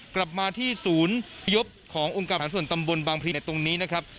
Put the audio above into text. กลับมาที่ศูนยภขององค์การฝั่งส่วนตำบลบางพิเศษตรงนี้นะครับ